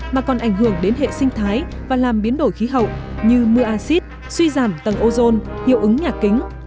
mà còn ảnh hưởng đến hệ sinh thái và làm biến đổi khí hậu như mưa acid suy giảm tầng ozone hiệu ứng nhà kính